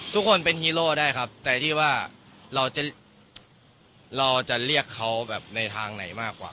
ทุกคนเป็นฮีโร่ได้ครับแต่ที่ว่าเราจะเรียกเขาแบบในทางไหนมากกว่า